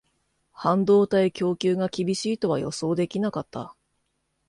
半導体供給が厳しいとは予想できなかった